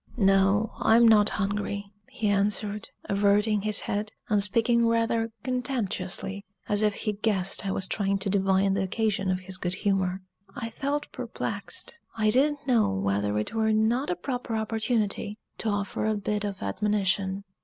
"No, I'm not hungry," he answered, averting his head, and speaking rather contemptuously, as if he guessed I was trying to divine the occasion of his good humor. I felt perplexed I didn't know whether it were not a proper opportunity to offer a bit of admonition.